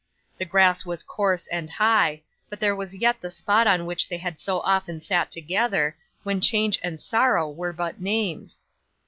The grass was coarse and high, but there was yet the spot on which they had so often sat together, when change and sorrow were but names.